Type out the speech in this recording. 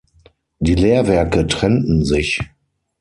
Die Lehrwerke trennten sich.